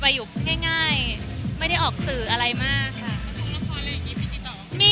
ถ้าเวย์ของตัวเองในช่วงเวลาอย่างชัด